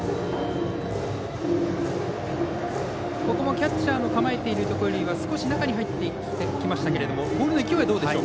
キャッチャーの構えているところよりは少し中に入ってきましたけどもボールの勢いどうでしょう。